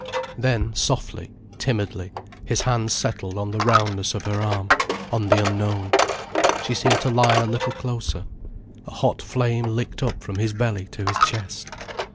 Then softly, timidly, his hand settled on the roundness of her arm, on the unknown. She seemed to lie a little closer. A hot flame licked up from his belly to his chest.